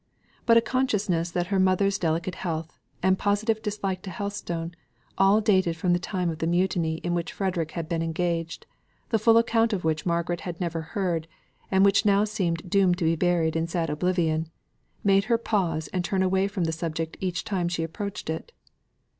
But a consciousness that her mother's delicate health and positive dislike to Helstone, all dated from the time of the mutiny in which Frederick had been engaged the full account of which Margaret had never heard, and which now seemed doomed to be buried in sad oblivion, made her pause and turn away from the subject each time she approached it.